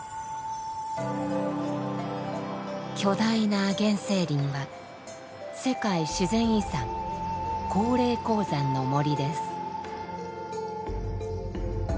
巨大な原生林は世界自然遺産高黎貢山の森です。